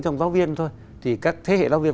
trong giáo viên thôi thì các thế hệ giáo viên